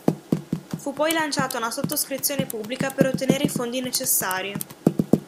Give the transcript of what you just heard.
Fu poi lanciata una sottoscrizione pubblica per ottenere i fondi necessari.